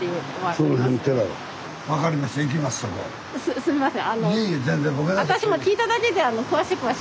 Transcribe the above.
すみません。